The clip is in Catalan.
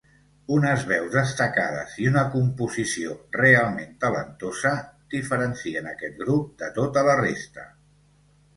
Unes veus destacades i una composició realment talentosa diferencien aquest grup de tota la resta.